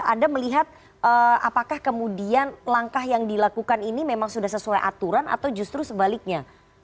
anda melihat apakah kemudian langkah yang dilakukan ini memang sudah sesuai aturan atau justru sebaliknya